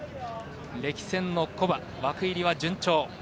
歴戦の古馬、枠入りは順調。